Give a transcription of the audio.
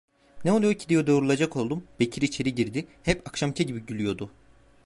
Ne oluyor ki diye doğrulacak oldum, Bekir içeriye girdi; hep akşamki gibi gülüyordu.